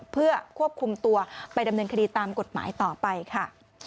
เพื่อควบคุมตัวไปดำเนินคดีตามกฎหมายต่อไปค่ะ